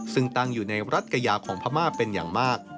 ซึ่งตั้งอยู่ในรัฐกายาของพม่าเป็นอย่างมาก